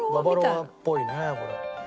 ババロアっぽいねこれ。